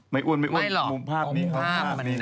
ไม่หรอกมิโภคภาพนี้นะ